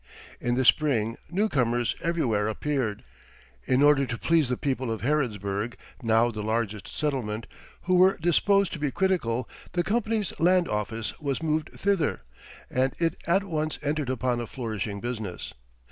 In the spring newcomers everywhere appeared. In order to please the people of Harrodsburg, now the largest settlement, who were disposed to be critical, the company's land office was moved thither, and it at once entered upon a flourishing business.